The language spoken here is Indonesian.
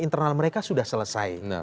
internal mereka sudah selesai